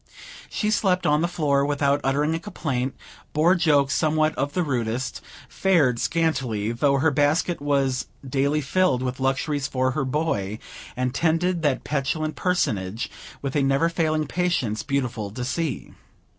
She slept on the floor, without uttering a complaint; bore jokes somewhat of the rudest; fared scantily, though her basket was daily filled with luxuries for her boy; and tended that petulant personage with a never failing patience beautiful to see.